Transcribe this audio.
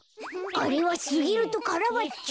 あれはすぎるとカラバッチョ。